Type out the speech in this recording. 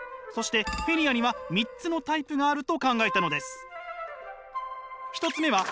そしてフィリアには三つのタイプがあると考えたのです。